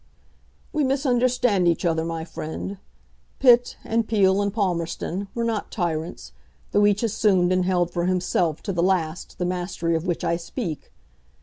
"We misunderstand each other, my friend. Pitt, and Peel, and Palmerston were not tyrants, though each assumed and held for himself to the last the mastery of which I speak.